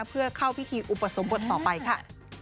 เพื่อเข้าพิธีอุปสมบทต่อไปค่ะ